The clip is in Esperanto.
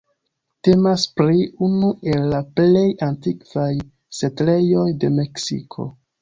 Temas pri unu el la plej antikvaj setlejoj de Meksiko.